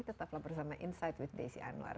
tetaplah bersama insight with desi anwar